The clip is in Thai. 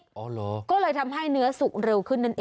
อ๋อเหรอก็เลยทำให้เนื้อสุกเร็วขึ้นนั่นเอง